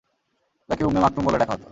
তাঁকে উম্মে মাকতূম বলে ডাকা হত।